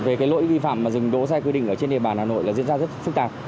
về cái lỗi vi phạm mà dừng đỗ xe cư đỉnh ở trên địa bàn hà nội là diễn ra rất xúc tạp